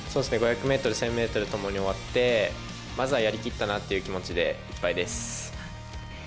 ５００ｍ１０００ｍ共に終わってまずは、やり切ったなという気持ちでいっぱいです。